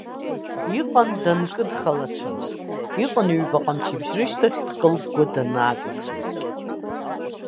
Иҟан данкыдхалацәоз, иҟан ҩбаҟа мчыбжьы рышьҭахь дкылыгәгәа данаакылсуазгьы.